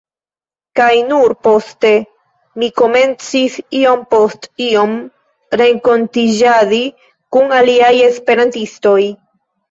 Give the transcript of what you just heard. kaj nur poste mi komencis iom post iom renkontiĝadi kun aliaj esperantistoj.